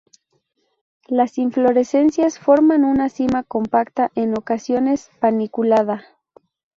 Las inflorescencias forman una cima compacta, en ocasiones paniculada.